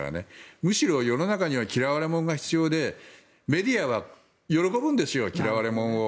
むしろ世の中には嫌われ者が必要でメディアは喜ぶんですよ嫌われ者を。